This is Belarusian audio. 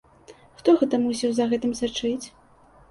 Хто гэта мусіў за гэтым сачыць?